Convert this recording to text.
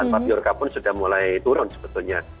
tanpa biorca pun sudah mulai turun sebetulnya